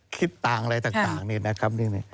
คลิปต่างอะไรต่างนี่นะครับ